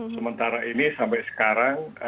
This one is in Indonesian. sementara ini sampai sekarang